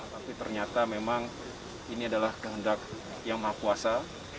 tapi ternyata memang ini adalah kehendak yang maha kuasa